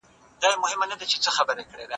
ماهر به د ساعت په اړه څه ووايي؟